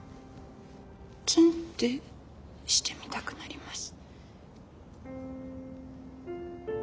ツン！ってしてみたくなります。